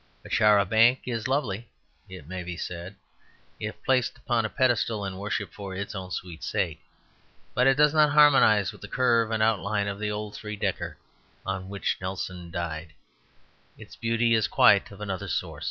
A char a banc is lovely (it may be said) if placed upon a pedestal and worshipped for its own sweet sake; but it does not harmonize with the curve and outline of the old three decker on which Nelson died; its beauty is quite of another sort.